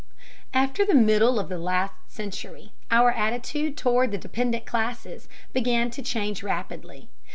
After the middle of the last century our attitude toward the dependent classes began to change rapidly.